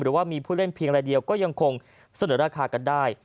หรือว่ามีผู้เล่นเพียงรายเดียวก็ยังคงเสนอราคากันได้